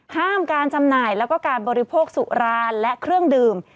ห้ามการจำหน่ายแล้วก็การบริโภคสุราและเครื่องดื่ม